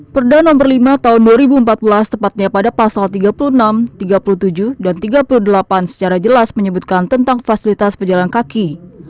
perda nomor lima tahun dua ribu empat belas tepatnya pada pasal tiga puluh enam tiga puluh tujuh dan tiga puluh delapan secara jelas menyebutkan tentang fasilitas pejalan kaki